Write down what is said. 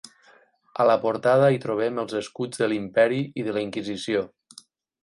A la portada hi trobem els escuts de l'Imperi i de la Inquisició.